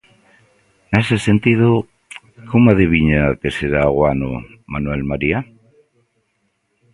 Nese sentido, como adiviña que será o Ano Manuel María?